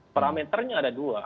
parameternya ada dua